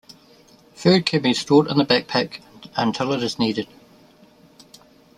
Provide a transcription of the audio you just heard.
Food can be stored in the backpack until it is needed.